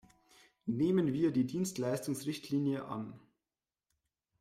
Nehmen wir die Dienstleistungsrichtlinie an!